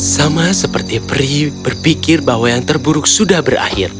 sama seperti pri berpikir bahwa yang terburuk sudah berakhir